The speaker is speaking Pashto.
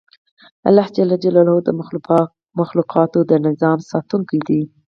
الله ج د مخلوقاتو د نظام ساتونکی دی